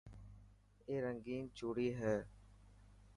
اي رنگين چوڙي هي.